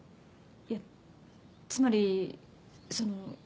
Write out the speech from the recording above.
えっつまりその。